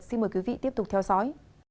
xin mời quý vị tiếp tục theo dõi